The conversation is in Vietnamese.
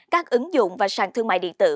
các ứng dụng và sàn thương mại điện tử